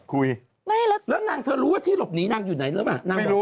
คุยแล้วนางเธอรู้ว่าที่หลบหนีนางอยู่ไหนแล้วเหรอ